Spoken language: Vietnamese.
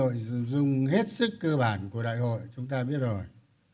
đây là một cái nội dung hết sức cơ bản của đại hội chúng ta biết rồi